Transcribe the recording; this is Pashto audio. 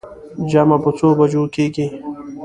جمعه په څو بجو کېږي.